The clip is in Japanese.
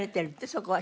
そこは。